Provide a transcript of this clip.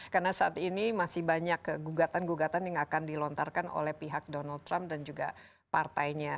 karena saat ini masih banyak gugatan gugatan yang akan dilontarkan oleh pihak donald trump dan juga partainya